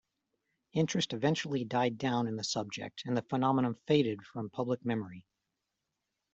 Interest eventually died down in the subject and the phenomenon faded from public memory.